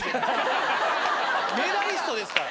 メダリストですから。